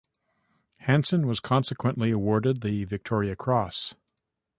Hansen was consequently awarded the Victoria Cross.